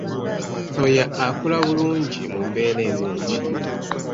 Soya akula bulungi mu mbeera ennungi.